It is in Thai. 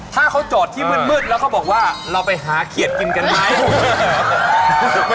ถ้าเขาจอดที่มืดแล้วเขาบอกว่าเราไปหาเขียดกินกันไหม